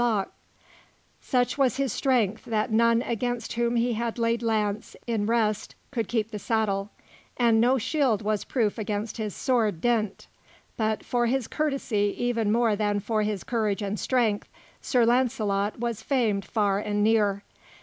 Such was his strength that none against whom he laid lance in rest could keep the saddle, and no shield was proof against his sword dint; but for his courtesy even more than for his courage and strength, Sir Launcelot was famed far and near.